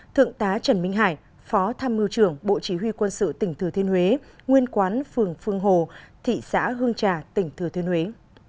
hai thượng tá trần minh hải phó tham mưu trưởng bộ chỉ huy quân sự tỉnh thừa thiên huế nguyên quán phường phương hồ thị xã hương trà tỉnh thừa thiên huế